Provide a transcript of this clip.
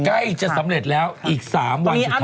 ใกล้จะสำเร็จแล้วอีก๓วันสุดท้าย